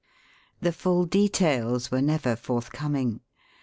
The full details were never forthcoming.